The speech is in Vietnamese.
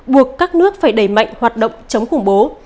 buộc các nước phải đẩy mạnh hoạt động chống khủng bố